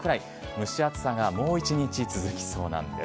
蒸し暑さがもう一日続きそうなんです。